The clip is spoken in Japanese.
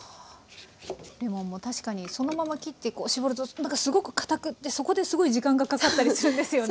レモンも確かにそのまま切って搾るとなんかすごくかたくってそこですごい時間がかかったりするんですよね。